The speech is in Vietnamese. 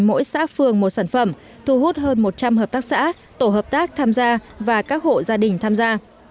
mỗi xã phường một sản phẩm thu hút hơn một trăm linh hợp tác xã tổ hợp tác tham gia và các hộ gia đình tham gia